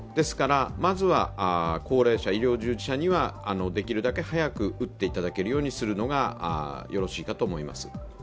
まずは高齢者、医療従事者にはできるだけ早く打っていただけるようにするのがよろしいかと思います。